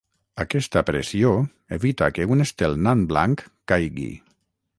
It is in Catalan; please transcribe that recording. Aquesta pressió evita que un estel nan blanc caigui.